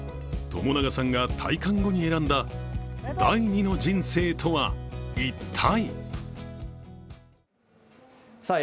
朝長さんが退官後に選んだ第二の人生とは一体？